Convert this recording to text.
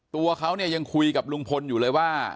ตัวเขาเนี่ยยังคุยกับลุงพลอยู่เลยว่า